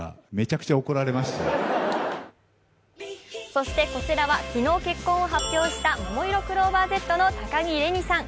そしなこちらは昨日結婚を発表したももいろクローバーＺの高城れにさん。